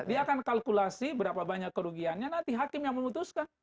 dia akan kalkulasi berapa banyak kerugiannya nanti hakim yang memutuskan